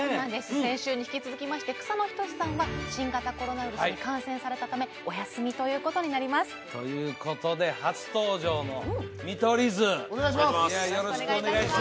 先週に引き続きまして草野仁さんは新型コロナウイルスに感染されたためお休みということになりますということで初登場の見取り図お願いします！